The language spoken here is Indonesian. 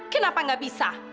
kenapa enggak bisa